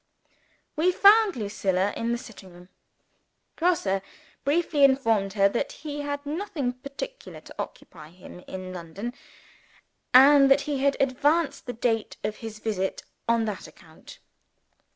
'" We found Lucilla in the sitting room. Grosse briefly informed her that he had nothing particular to occupy him in London, and that he had advanced the date of his visit on that account.